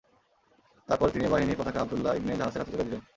তারপর তিনি এ বাহিনীর পতাকা আবদুল্লাহ ইবনে জাহাসের হাতে তুলে দিলেন।